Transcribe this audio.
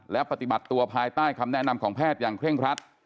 และปฏิบัติตัวภายใต้คำแนะนำของแพทย์อย่างเร่งครัด